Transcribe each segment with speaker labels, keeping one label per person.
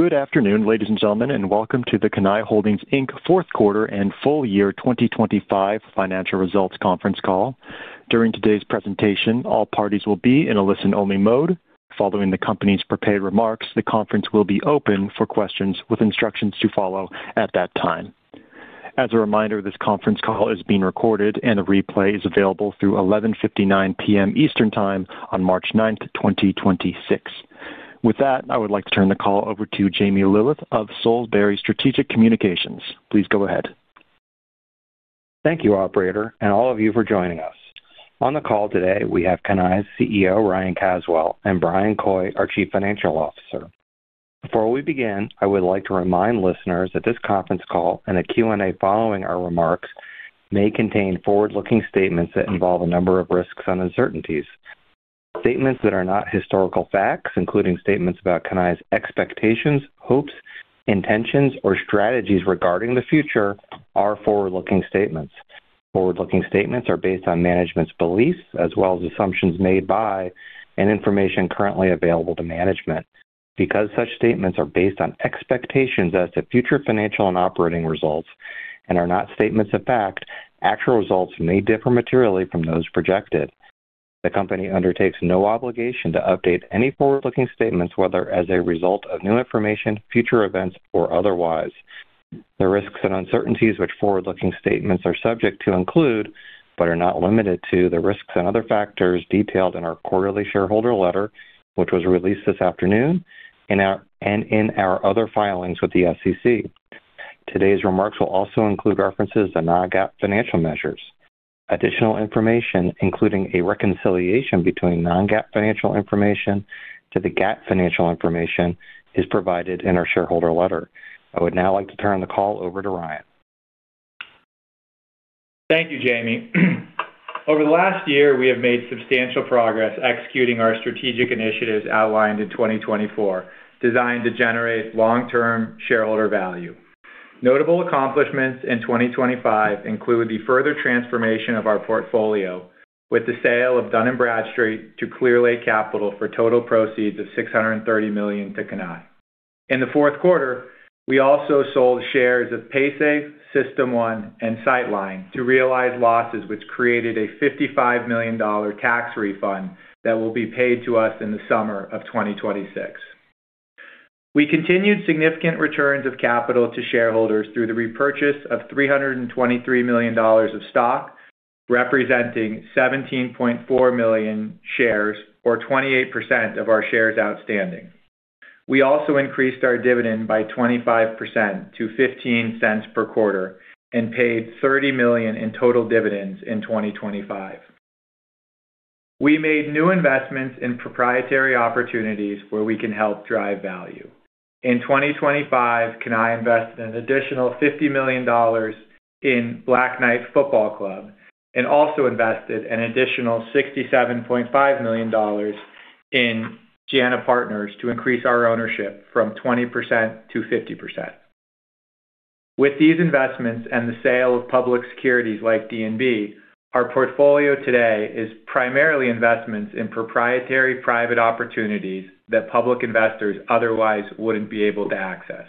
Speaker 1: Good afternoon, ladies and gentlemen, and welcome to the Cannae Holdings, Inc. 4th quarter and full-year 2025 financial results conference call. During today's presentation, all parties will be in a listen-only mode. Following the company's prepared remarks, the conference will be open for questions with instructions to follow at that time. As a reminder, this conference call is being recorded and a replay is available through 11:59 P.M. Eastern Time on March 9, 2026. With that, I would like to turn the call over to Jamie Lillis of Solebury Strategic Communications. Please go ahead.
Speaker 2: Thank you, operator, and all of you for joining us. On the call today, we have Cannae's CEO, Ryan Caswell, and Bryan Coy, our Chief Financial Officer. Before we begin, I would like to remind listeners that this conference call and the Q&A following our remarks may contain forward-looking statements that involve a number of risks and uncertainties. Statements that are not historical facts, including statements about Cannae's expectations, hopes, intentions, or strategies regarding the future, are forward-looking statements. Forward-looking statements are based on management's beliefs as well as assumptions made by and information currently available to management. Because such statements are based on expectations as to future financial and operating results and are not statements of fact, actual results may differ materially from those projected. The company undertakes no obligation to update any forward-looking statements, whether as a result of new information, future events, or otherwise. The risks and uncertainties which forward-looking statements are subject to include, but are not limited to, the risks and other factors detailed in our quarterly shareholder letter, which was released this afternoon, and in our other filings with the SEC. Today's remarks will also include references to non-GAAP financial measures. Additional information, including a reconciliation between non-GAAP financial information to the GAAP financial information, is provided in our shareholder letter. I would now like to turn the call over to Ryan.
Speaker 3: Thank you, Jamie. Over the last year, we have made substantial progress executing our strategic initiatives outlined in 2024, designed to generate long-term shareholder value. Notable accomplishments in 2025 include the further transformation of our portfolio with the sale of Dun & Bradstreet to Clearlake Capital for total proceeds of $630 million to Cannae. In the 4th quarter, we also sold shares of Paysafe, System One, and Sightline to realize losses, which created a $55 million tax refund that will be paid to us in the summer of 2026. We continued significant returns of capital to shareholders through the repurchase of $323 million of stock, representing 17.4 million shares or 28% of our shares outstanding. We also increased our dividend by 25% to $0.15 per quarter and paid $30 million in total dividends in 2025. We made new investments in proprietary opportunities where we can help drive value. In 2025, Cannae invested an additional $50 million in Black Knight Football Club and also invested an additional $67.5 million in JANA Partners to increase our ownership from 20% to 50%. With these investments and the sale of public securities like D&B, our portfolio today is primarily investments in proprietary private opportunities that public investors otherwise wouldn't be able to access.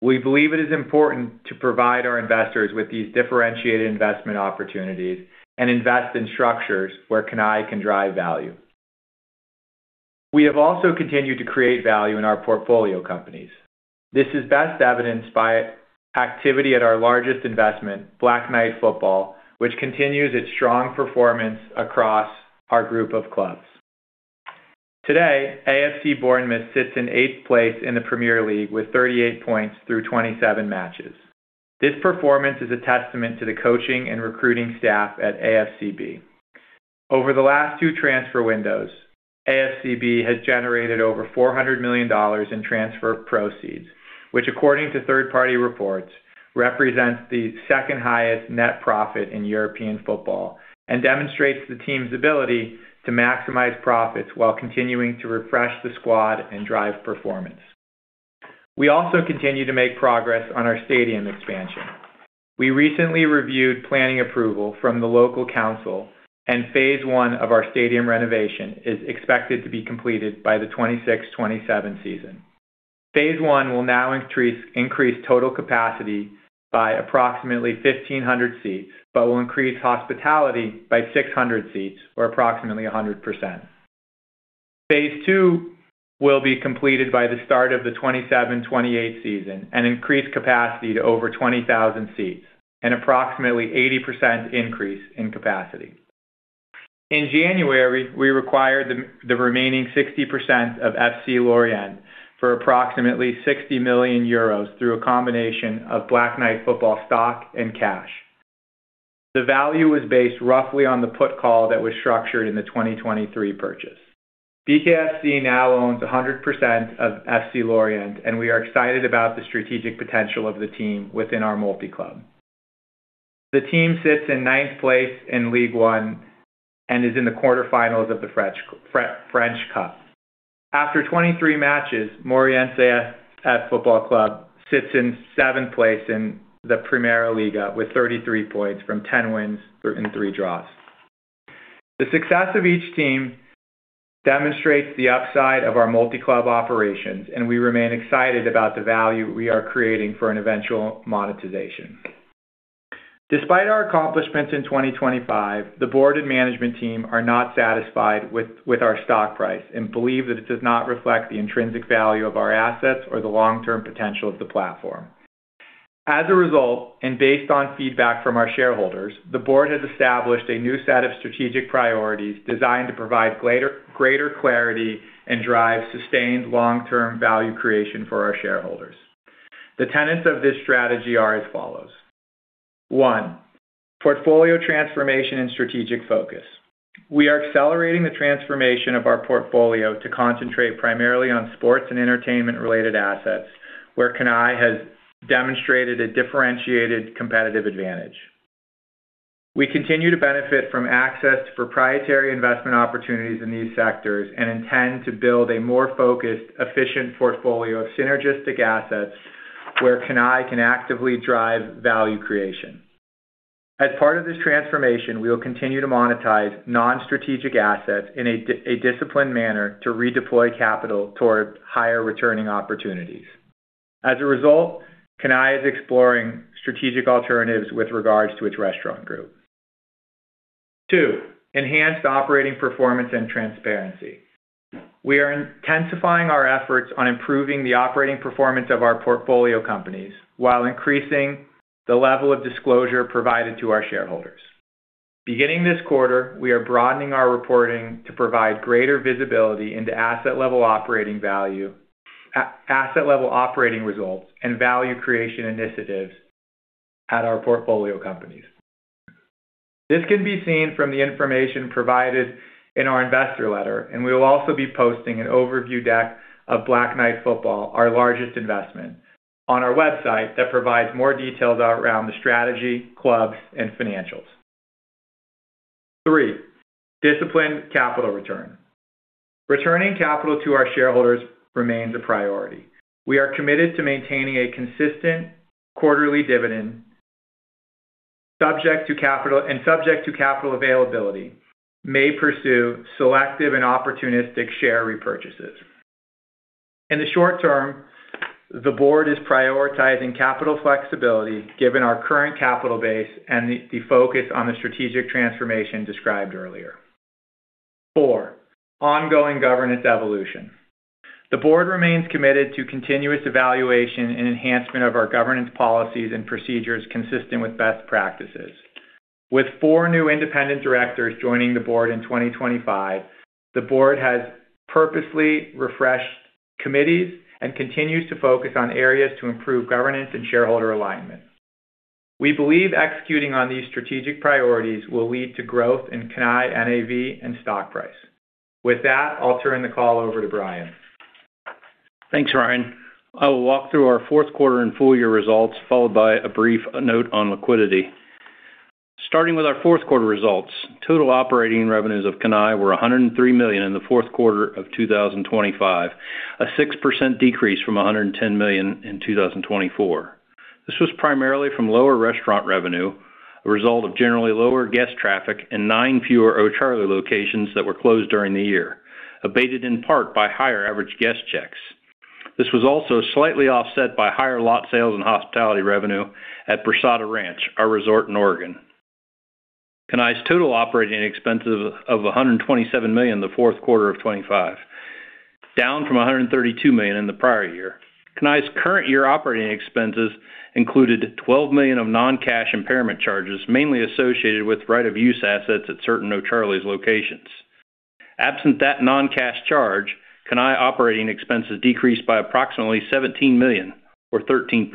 Speaker 3: We believe it is important to provide our investors with these differentiated investment opportunities and invest in structures where Cannae can drive value. We have also continued to create value in our portfolio companies. This is best evidenced by activity at our largest investment, Black Knight Football, which continues its strong performance across our group of clubs. Today, AFC Bournemouth sits in 8th place in the Premier League with 38 points through 27 matches. This performance is a testament to the coaching and recruiting staff at AFCB. Over the last two transfer windows, AFCB has generated over $400 million in transfer proceeds, which according to third-party reports, represents the second highest net profit in European football and demonstrates the team's ability to maximize profits while continuing to refresh the squad and drive performance. We also continue to make progress on our stadium expansion. We recently reviewed planning approval from the local council, phase one of our stadium renovation is expected to be completed by the 2026-2027 season. Phase 1 will now increase total capacity by approximately 1,500 seats, but will increase hospitality by 600 seats or approximately 100%. Phase two will be completed by the start of the 2027-2028 season and increase capacity to over 20,000 seats, an approximately 80% increase in capacity. In January, we acquired the remaining 60% of FC Lorient for approximately 60 million euros through a combination of Black Knight Football stock and cash. The value was based roughly on the put call that was structured in the 2023 purchase. BKFC now owns 100% of FC Lorient, and we are excited about the strategic potential of the team within our multi-club. The team sits in 9th place in Ligue 1 and is in the quarterfinals of the French Cup. After 23 matches, Moreirense Football Club sits in seventh place in the Primeira Liga with 33 points from 10 wins and three draws. The success of each team demonstrates the upside of our multi-club operations, and we remain excited about the value we are creating for an eventual monetization. Despite our accomplishments in 2025, the board and management team are not satisfied with our stock price and believe that it does not reflect the intrinsic value of our assets or the long-term potential of the platform. As a result, based on feedback from our shareholders, the board has established a new set of strategic priorities designed to provide greater clarity and drive sustained long-term value creation for our shareholders. The tenets of this strategy are as follows: One, portfolio transformation and strategic focus. We are accelerating the transformation of our portfolio to concentrate primarily on sports and entertainment-related assets, where Cannae has demonstrated a differentiated competitive advantage. We continue to benefit from access to proprietary investment opportunities in these sectors and intend to build a more focused, efficient portfolio of synergistic assets where Cannae can actively drive value creation. As part of this transformation, we will continue to monetize non-strategic assets in a disciplined manner to redeploy capital toward higher returning opportunities. As a result, Cannae is exploring strategic alternatives with regards to its restaurant group. Two, enhanced operating performance and transparency. We are intensifying our efforts on improving the operating performance of our portfolio companies while increasing the level of disclosure provided to our shareholders. Beginning this quarter, we are broadening our reporting to provide greater visibility into asset level operating value, asset level operating results, and value creation initiatives at our portfolio companies. This can be seen from the information provided in our investor letter. We will also be posting an overview deck of Black Knight Football, our largest investment, on our website that provides more details around the strategy, clubs, and financials. Three, disciplined capital return. Returning capital to our shareholders remains a priority. We are committed to maintaining a consistent quarterly dividend subject to capital and subject to capital availability, may pursue selective and opportunistic share repurchases. In the short term, the board is prioritizing capital flexibility, given our current capital base and the focus on the strategic transformation described earlier. Four, ongoing governance evolution. The board remains committed to continuous evaluation and enhancement of our governance policies and procedures consistent with best practices. With four new independent directors joining the board in 2025, the board has purposely refreshed committees and continues to focus on areas to improve governance and shareholder alignment. We believe executing on these strategic priorities will lead to growth in Cannae NAV and stock price. With that, I'll turn the call over to Bryan.
Speaker 4: Thanks, Ryan. I will walk through our fourth quarter and full-year results, followed by a brief note on liquidity. Starting with our fourth quarter results, total operating revenues of Cannae were $103 million in the fourth quarter of 2025, a 6% decrease from $110 million in 2024. This was primarily from lower restaurant revenue, a result of generally lower guest traffic and nine fewer O'Charley's locations that were closed during the year, abated in part by higher average guest checks. This was also slightly offset by higher lot sales and hospitality revenue at Brasada Ranch, our resort in Oregon. Cannae's total operating expenses of $127 million in the fourth quarter of 2025, down from $132 million in the prior year. Cannae's current year operating expenses included $12 million of non-cash impairment charges, mainly associated with right-of-use assets at certain O'Charley's locations. Absent that non-cash charge, Cannae operating expenses decreased by approximately $17 million or 13%.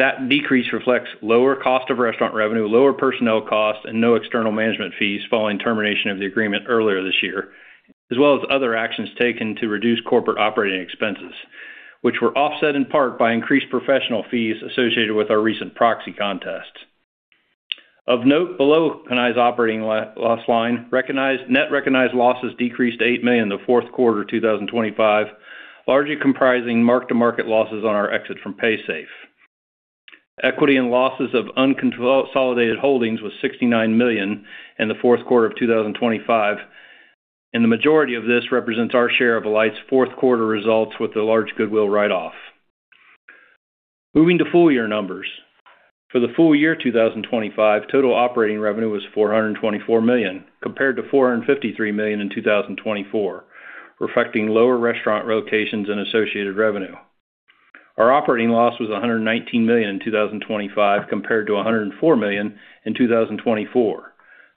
Speaker 4: That decrease reflects lower cost of restaurant revenue, lower personnel costs, and no external management fees following termination of the agreement earlier this year, as well as other actions taken to reduce corporate operating expenses, which were offset in part by increased professional fees associated with our recent proxy contest. Of note, below Cannae's operating loss, loss line, net recognized losses decreased to $8 million in the fourth quarter 2025, largely comprising mark-to-market losses on our exit from Paysafe. Equity and losses of unconsolidated holdings was $69 million in the fourth quarter of 2025, the majority of this represents our share of Alight's fourth quarter results with the large goodwill write-off. Moving to full-year numbers. For the full-year 2025, total operating revenue was $424 million, compared to $453 million in 2024, reflecting lower restaurant locations and associated revenue. Our operating loss was $119 million in 2025, compared to $104 million in 2024.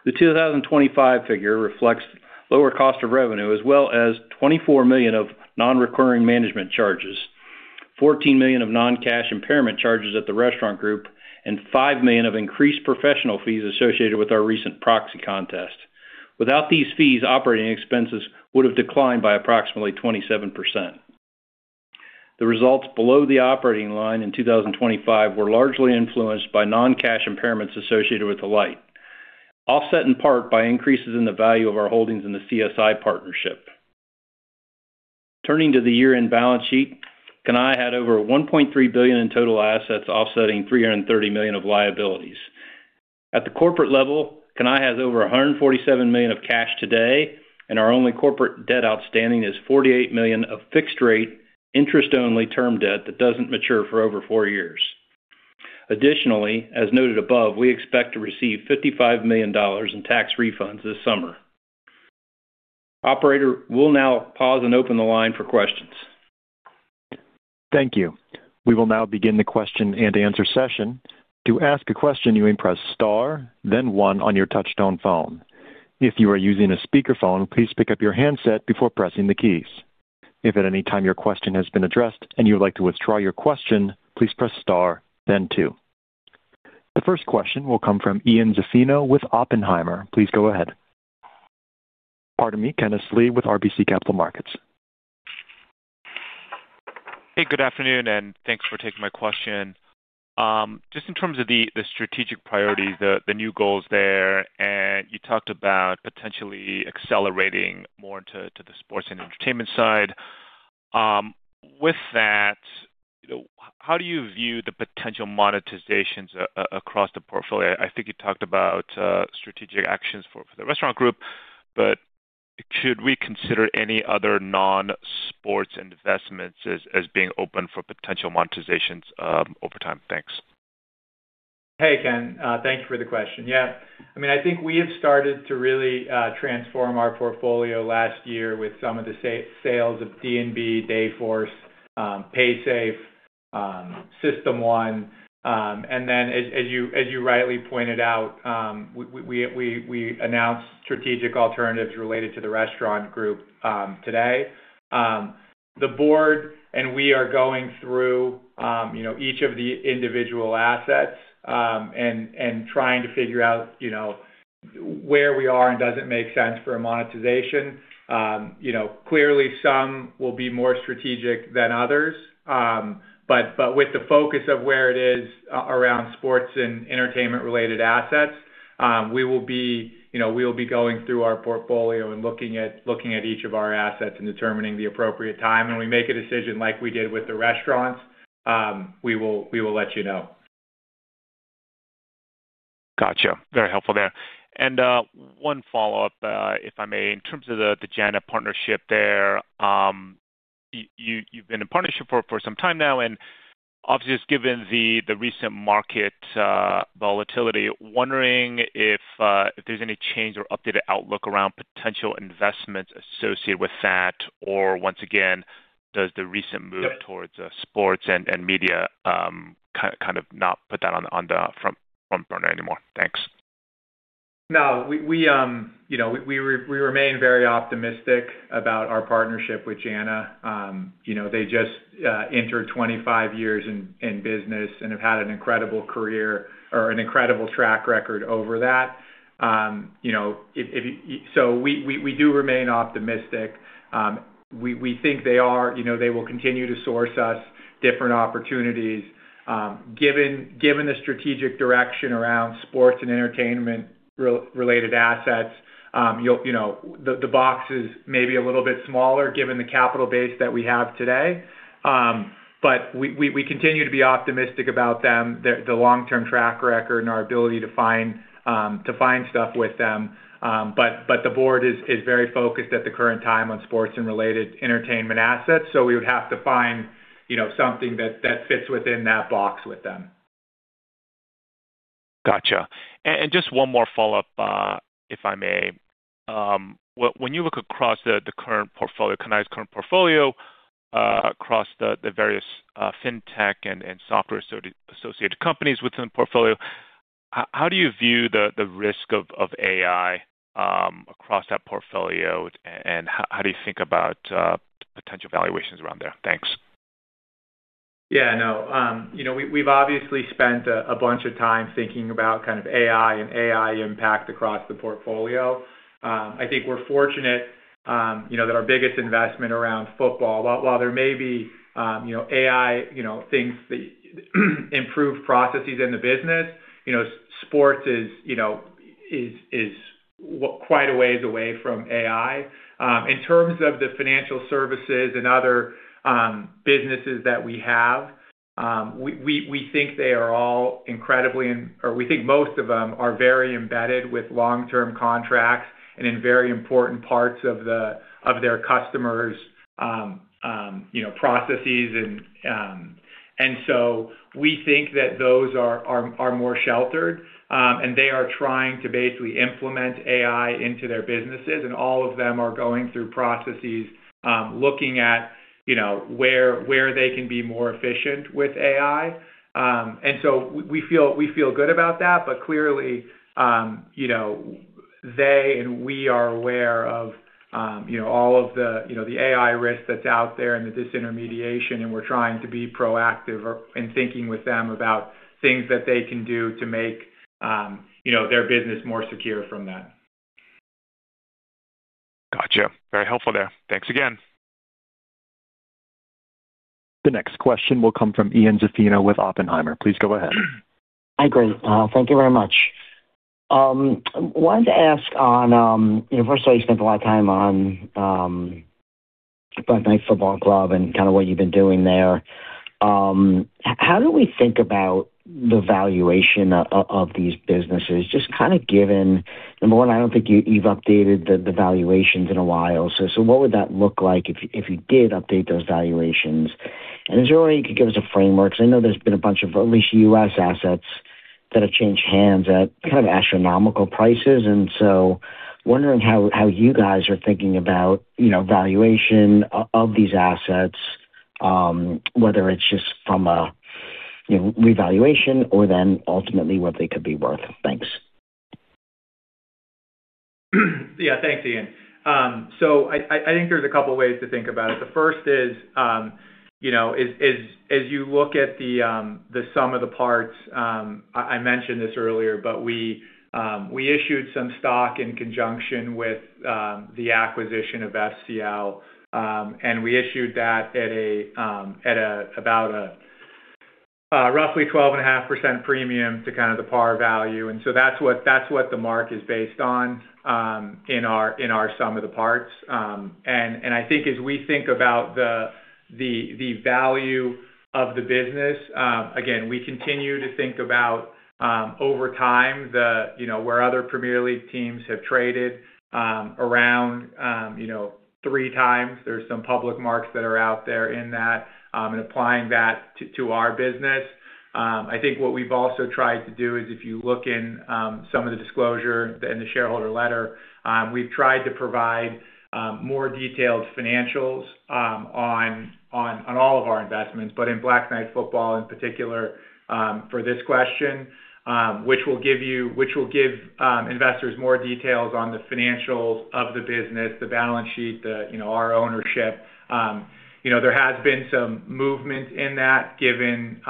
Speaker 4: The 2025 figure reflects lower cost of revenue, as well as $24 million of non-recurring management charges, $14 million of non-cash impairment charges at the restaurant group, and $5 million of increased professional fees associated with our recent proxy contest. Without these fees, operating expenses would have declined by approximately 27%. The results below the operating line in 2025 were largely influenced by non-cash impairments associated with Alight, offset in part by increases in the value of our holdings in the CSI partnership. Turning to the year-end balance sheet, Cannae had over $1.3 billion in total assets, offsetting $330 million of liabilities. At the corporate level, Cannae has over $147 million of cash today, and our only corporate debt outstanding is $48 million of fixed rate, interest-only term debt that doesn't mature for over four years. Additionally, as noted above, we expect to receive $55 million in tax refunds this summer. Operator, we'll now pause and open the line for questions.
Speaker 1: Thank you. We will now begin the question and answer session. To ask a question, you may press star, then one on your touch-tone phone. If you are using a speakerphone, please pick up your handset before pressing the keys. If at any time your question has been addressed and you would like to withdraw your question, please press star then two. The first question will come from Ian Zaffino with Oppenheimer. Please go ahead. Pardon me, Kenneth Lee with RBC Capital Markets.
Speaker 5: Hey, good afternoon, and thanks for taking my question. Just in terms of the, the strategic priorities, the, the new goals there, and you talked about potentially accelerating more into, to the sports and entertainment side. With that, how do you view the potential monetizations across the portfolio? I think you talked about, strategic actions for the restaurant group, but should we consider any other non-sports investments as, as being open for potential monetizations, over time? Thanks.
Speaker 3: Hey, Ken. Thank you for the question. Yeah, I mean, I think we have started to really transform our portfolio last year with some of the sales of D&B, Dayforce, Paysafe, System One, and then as, as you, as you rightly pointed out, we, we, we announced strategic alternatives related to the restaurant group today. The board and we are going through, you know, each of the individual assets, and, and trying to figure out, you know, where we are and does it make sense for a monetization. You know, clearly, some will be more strategic than others, but with the focus of where it is around sports and entertainment-related assets, we will be, you know, we will be going through our portfolio and looking at, looking at each of our assets and determining the appropriate time. When we make a decision like we did with the restaurants, we will, we will let you know.
Speaker 5: Gotcha. Very helpful there. One follow-up, if I may. In terms of the JANA partnership there, you, you've been in partnership for, for some time now, and obviously, just given the, the recent market, volatility, wondering if there's any change or updated outlook around potential investments associated with that, or once again, does the recent move towards, sports and, and media, kind of not put that on the, on the front burner anymore? Thanks.
Speaker 3: No, we, we, you know, we, we remain very optimistic about our partnership with JANA. You know, they just entered 25 years in, in business and have had an incredible career or an incredible track record over that. You know, if, if... We, we, we do remain optimistic. We, we think they are, you know, they will continue to source us different opportunities, given, given the strategic direction around sports and entertainment-related assets, you'll, you know, the, the box is maybe a little bit smaller given the capital base that we have today. We, we, we continue to be optimistic about them, the, the long-term track record and our ability to find, to find stuff with them. The board is, is very focused at the current time on sports and related entertainment assets, so we would have to find, you know, something that, that fits within that box with them.
Speaker 5: Gotcha. And just one more follow-up, if I may. When, when you look across the, the current portfolio, Cannae's current portfolio, across the, the various, fintech and, and software associated companies within the portfolio, how do you view the, the risk of, of AI, across that portfolio? And how do you think about, potential valuations around there? Thanks.
Speaker 3: Yeah, I know. You know, we've, we've obviously spent a, a bunch of time thinking about kind of AI and AI impact across the portfolio. I think we're fortunate, you know, that our biggest investment around football, while, while there may be, you know, AI, you know, things that improve processes in the business, you know, sports is, you know, is, is quite a ways away from AI. In terms of the financial services and other businesses that we have, we, we, we think they are all incredibly, or we think most of them are very embedded with long-term contracts and in very important parts of the, of their customers', you know, processes. We think that those are, are, are more sheltered, and they are trying to basically implement AI into their businesses, and all of them are going through processes, looking at you know, where, where they can be more efficient with AI. We feel, we feel good about that, but clearly, you know, they and we are aware of, you know, all of the, you know, the AI risk that's out there and the disintermediation, and we're trying to be proactive or in thinking with them about things that they can do to make, you know, their business more secure from that.
Speaker 5: Gotcha. Very helpful there. Thanks again.
Speaker 1: The next question will come from Ian Zaffino with Oppenheimer. Please go ahead.
Speaker 6: Hi, great. Thank you very much. Wanted to ask on, you know, first you spent a lot of time on Black Knight Football Club and kind of what you've been doing there. How do we think about the valuation of these businesses? Just kind of given, number one, I don't think you've updated the valuations in a while. What would that look like if you did update those valuations? Is there any way you could give us a framework? Because I know there's been a bunch of, at least U.S. assets that have changed hands at kind of astronomical prices. Wondering how you guys are thinking about, you know, valuation of these assets, whether it's just from a, you know, revaluation or then ultimately what they could be worth. Thanks.
Speaker 3: Yeah, thanks, Ian. I, I, I think there's a couple of ways to think about it. The first is, you know, as, as, as you look at the sum of the parts, I, I mentioned this earlier, but we issued some stock in conjunction with the acquisition of FC Lorient. We issued that at a, at a, about a, roughly 12.5% premium to kind of the par value. That's what, that's what the mark is based on, in our, in our sum of the parts. I think as we think about the, the, the value of the business, again, we continue to think about over time, the, you know, where other Premier League teams have traded around, you know, three times. There are some public marks that are out there in that, and applying that to, to our business. I think what we've also tried to do is if you look in, some of the disclosure in the shareholder letter, we've tried to provide, more detailed financials, on, on, on all of our investments, but in Black Knight Football in particular, for this question. Which will give you-- which will give, investors more details on the financials of the business, the balance sheet, the, you know, our ownership. You know, there has been some movement in that, given,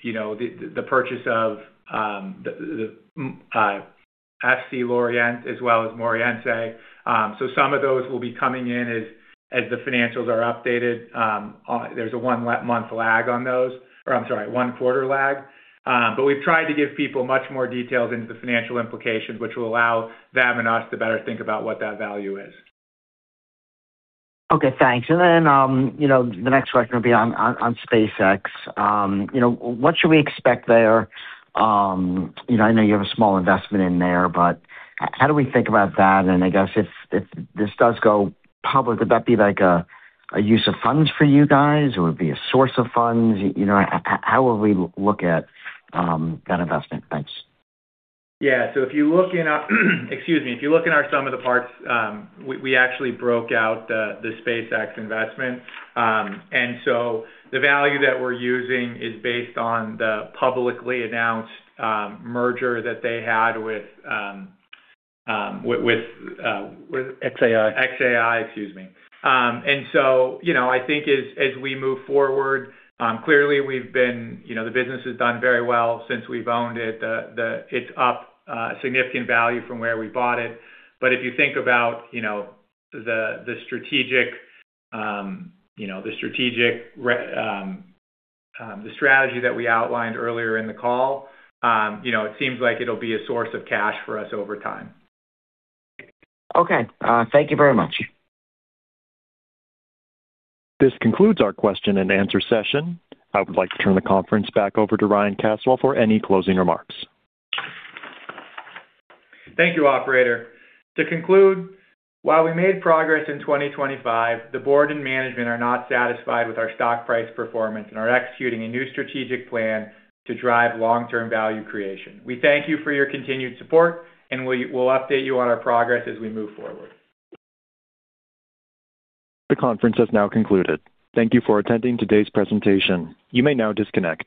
Speaker 3: you know, the, the purchase of, the, the, FC Lorient, as well as Moreirense. So some of those will be coming in as, as the financials are updated. There's a one month lag on those, or I'm sorry, one quarter lag. We've tried to give people much more details into the financial implications, which will allow them and us to better think about what that value is.
Speaker 6: Okay, thanks. You know, the next question will be on, on, on SpaceX. You know, what should we expect there? You know, I know you have a small investment in there, but how do we think about that? I guess if, if this does go public, would that be like a, a use of funds for you guys, or would it be a source of funds? You know, how will we look at, that investment? Thanks.
Speaker 3: Yeah. If you look in our... Excuse me. If you look in our sum of the parts, we, we actually broke out the, the SpaceX investment. So the value that we're using is based on the publicly announced, merger that they had with, with, with...
Speaker 4: xAI.
Speaker 3: xAI, excuse me. So, you know, I think as, as we move forward, clearly, we've been, you know, the business has done very well since we've owned it. It's up significant value from where we bought it. If you think about, you know, the, the strategic, you know, the strategic, the strategy that we outlined earlier in the call, you know, it seems like it'll be a source of cash for us over time.
Speaker 6: Okay. Thank you very much.
Speaker 1: This concludes our question and answer session. I would like to turn the conference back over to Ryan Caswell for any closing remarks.
Speaker 3: Thank you, operator. To conclude, while we made progress in 2025, the board and management are not satisfied with our stock price performance and are executing a new strategic plan to drive long-term value creation. We thank you for your continued support, and we'll update you on our progress as we move forward.
Speaker 1: The conference has now concluded. Thank you for attending today's presentation. You may now disconnect.